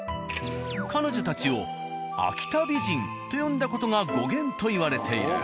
彼女たちを秋田美人と呼んだ事が語源といわれている。